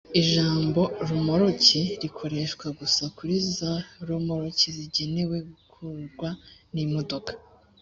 ijambo romoruki rikoreshwa gusa kuri za romoruki zigenewe gukururwa n’imodoka